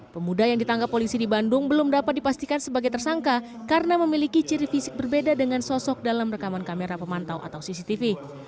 pemuda yang ditangkap polisi di bandung belum dapat dipastikan sebagai tersangka karena memiliki ciri fisik berbeda dengan sosok dalam rekaman kamera pemantau atau cctv